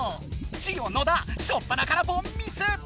ジオ野田しょっぱなからぼんミス！